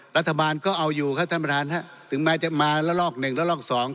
รัฐบาลก็เอาอยู่ครับท่านประธานฮะถึงแม้จะมาละลอกหนึ่งและลอกสอง